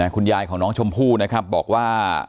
คุณยายของน้องชมพู่นะครับบอกว่า